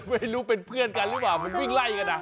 ไม่รู้เป็นเพื่อนกันหรือเปล่ามันวิ่งไล่กันอ่ะ